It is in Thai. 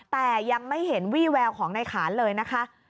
แต่ยังไม่เห็นวี่แววของในขานเลยนะคะ